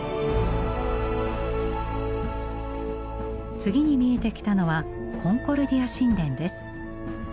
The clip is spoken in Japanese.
次に見えてきたのはコンコルディア神殿です。